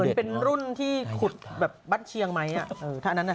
มันเป็นรุ่นที่ขุดแบบบัตรเชียงไหมถ้าอันนั้น